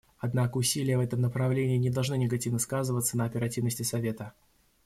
Однако усилия в этом направлении не должны негативно сказываться на оперативности Совета.